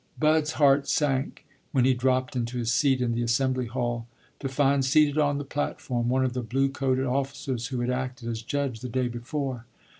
Bud's heart sank when he dropped into his seat in the Assembly Hall to find seated on the platform one of the blue coated officers who had acted as judge the day before.